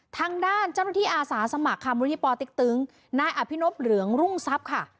ทางด้านจ้าโรที่อาศาสมัครคมบริษัทติ๊กตึงนายอภินพย์เหลืองรุ่งทรัพย์ค่ะ